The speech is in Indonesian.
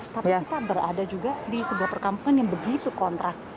tapi kita berada juga di sebuah perkampungan yang begitu kontras